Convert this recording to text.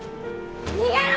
逃げろ！